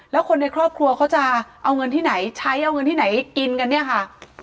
แล้วคนในครอบครัวเขาจะเอาเงินที่ไหนใช้เอาเงินที่ไหนกินกันเนี่ยค่ะ